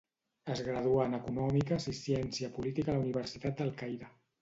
Es graduà en econòmiques i ciència política a la Universitat del Caire.